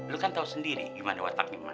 lo kan tau sendiri gimana wataknya mak